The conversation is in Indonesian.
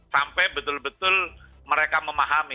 sampai betul betul mereka memahami